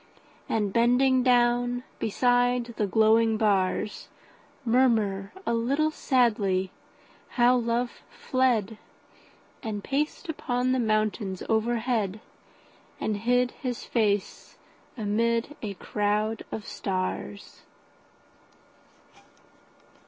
And bending down beside the glowing bars, Murmur, a little sadly, how love fled 10 And paced upon the mountains overhead, And hid his face amid a crowd of stars.